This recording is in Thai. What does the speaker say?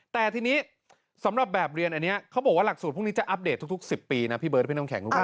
แต่ทีนี้สำหรับแบบเรียนอันนี้เขาบอกว่าหลักสูตรพวกนี้จะอัปเดตทุก๑๐ปีนะพี่เบิร์ดพี่น้ำแข็งคุณผู้ชม